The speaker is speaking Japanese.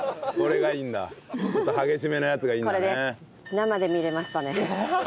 生で見られましたね。